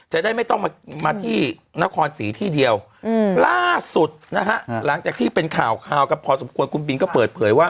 จะได้ไม่ต้องมาที่นครศรีที่เดียวล่าสุดนะฮะหลังจากที่เป็นข่าวกันพอสมควรคุณบินก็เปิดเผยว่า